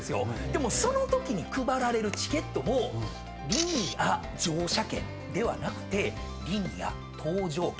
でもそのときに配られるチケットもリニア乗車券ではなくてリニア搭乗券ってなってます。